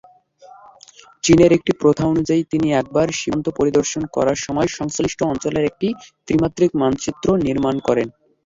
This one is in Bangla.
চীনের একটি প্রথা অনুযায়ী তিনি একবার সীমান্ত পরিদর্শন করার সময়ে সংশ্লিষ্ট অঞ্চলের একটি ত্রিমাত্রিক মানচিত্র নির্মাণ করেন।